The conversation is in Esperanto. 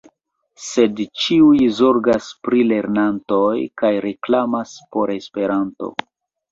Sed ĉiuj zorgas pri lernantoj kaj reklamas por Esperanto.